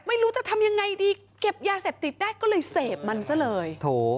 ไม่รู้จะทำยังไงดีเก็บยาเสพติดได้ก็เลยเสพมันซะเลย